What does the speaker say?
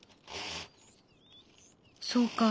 そうか。